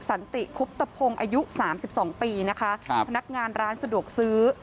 สันติคุบตะพงศ์อายุสามสิบสองปีนะคะครับพนักงานร้านสะดวกซื้อ